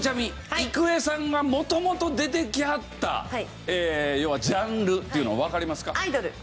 郁恵さんが元々出てきはったジャンルっていうのわかりますか？